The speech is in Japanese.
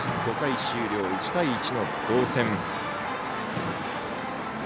５回終了、１対１の同点。